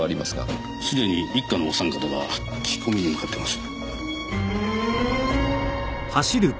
すでに一課のお三方が聞き込みに向かっています。